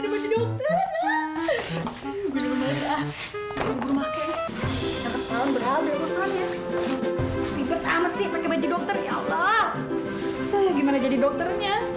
mulai bakal indah